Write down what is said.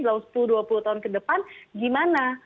dalam sepuluh dua puluh tahun ke depan gimana